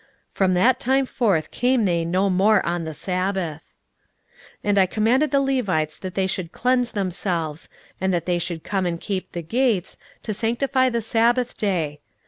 From that time forth came they no more on the sabbath. 16:013:022 And I commanded the Levites that they should cleanse themselves, and that they should come and keep the gates, to sanctify the sabbath day.